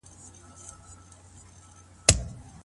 ولي هوډمن سړی د ذهین سړي په پرتله لاره اسانه کوي؟